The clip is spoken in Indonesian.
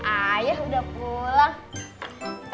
ayah udah pulang